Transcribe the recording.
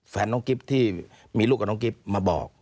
แฟนน้องกิ๊บที่มีลูกกับน้องกิฟต์มาบอก